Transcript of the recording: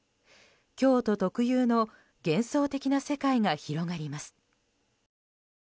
京都特有の幻想的な世界が広がります。